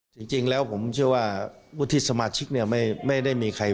จริงแล้วผมเชื่อว่าอุทิศสมาชิกเนี่ย